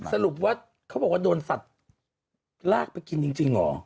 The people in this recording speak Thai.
สรุปว่าเขาบอกว่าโดนสัตว์ลากไปกินจริงเหรอ